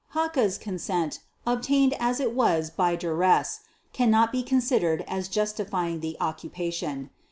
Hacha's consent, obtained as it was by duress, cannot be considered as justifying the occupation.